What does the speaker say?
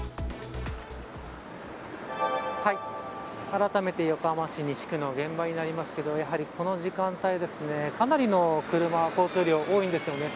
あらためて横浜市西区の現場になりますがやはりこの時間帯かなりの車交通量多いんですね。